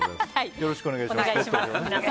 よろしくお願いします。